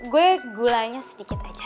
gue gulanya sedikit aja